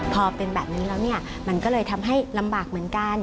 พอเป็นแบบนี้แล้วเนี่ยมันก็เลยทำให้ลำบากเหมือนกัน